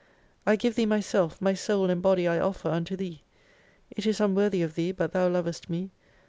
I give Thee myself, my Soul and Body I offer unto Thee. It is unworthy of Thee, but Thou lovest me.